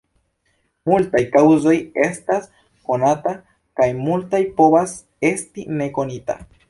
Multaj kaŭzoj estas konata, kaj multa povas esti ne konita.